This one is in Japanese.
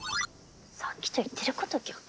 さっきと言ってること逆じゃ。